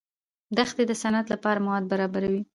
دښتې د صنعت لپاره مواد برابروي.